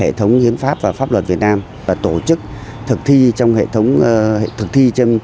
hệ thống hiến pháp và pháp luật việt nam và tổ chức thực thi trên thực tiễn